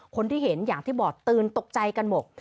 คนที่เห็นอย่างที่บอกตื่นตกใจกันหมด